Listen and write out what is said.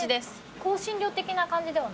香辛料的な感じではないの？